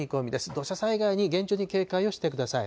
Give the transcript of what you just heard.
土砂災害に厳重な警戒をしてください。